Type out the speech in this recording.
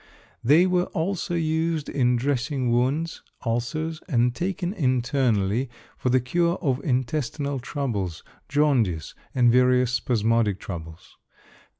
They were also used in dressing wounds, ulcers, and taken internally for the cure of intestinal troubles, jaundice, and various spasmodic troubles.